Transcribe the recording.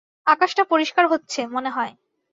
আকাশটা পরিষ্কার হচ্ছে, মনেহয়।